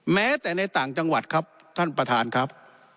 แม้แต่ในต่างจังหวัดครับท่านประธานครับ